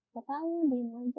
tidak ketahui bagaimana aja gitu